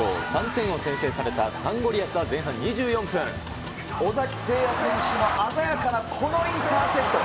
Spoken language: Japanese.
３点を先制されたサンゴリアスは前半２４分、尾崎晟也選手の鮮やかなこのインターセプト。